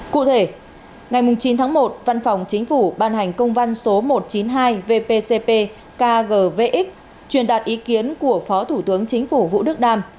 cụ thể ngày chín tháng một văn phòng chính phủ ban hành công văn số một trăm chín mươi hai vpcp kgvx truyền đạt ý kiến của phó thủ tướng chính phủ vũ đức đam